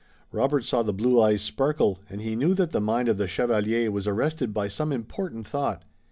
Robert saw the blue eyes sparkle, and he knew that the mind of the chevalier was arrested by some important thought.